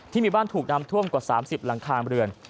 ที่มีบ้านถูกน้ำท่วมกว่า๓๐หลังคาเรือน